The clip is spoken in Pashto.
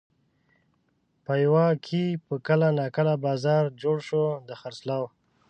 پېوه کې به کله ناکله بازار جوړ شو د خرڅلاو.